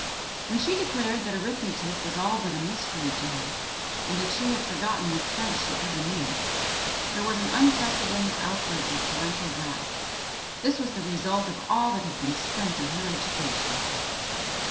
When she declared that arithmetic was all but a mystery to her, and that she had forgotten what French she ever knew, there was an unprecedented outbreak of parental wrath: this was the result of all that had been spent on her education!